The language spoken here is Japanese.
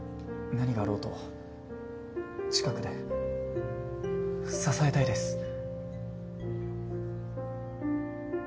何があろうと近くで支えたいです。